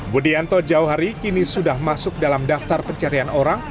budi anto jauh hari kini sudah masuk dalam daftar pencarian orang